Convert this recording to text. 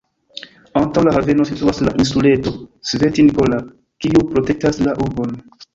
Antaŭ la haveno situas la insuleto "Sveti Nikola", kiu protektas la urbon.